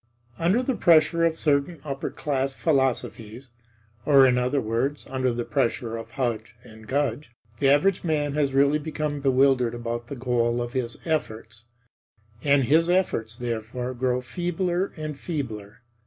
Under the pressure of certain upper class philosophies (or in other words, under the pressure of Hudge and Gudge) the average man has really become bewildered about the goal of his efforts; and his efforts, therefore, grow feebler and feebler.